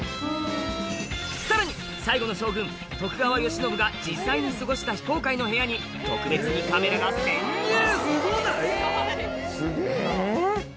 さらに最後の将軍徳川慶喜が実際に過ごした非公開の部屋に特別にカメラが潜入！